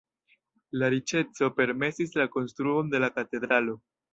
La riĉeco permesis la konstruon de la katedralo.